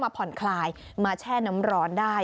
ผ่อนคลายมาแช่น้ำร้อนได้